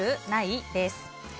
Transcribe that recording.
ない？です。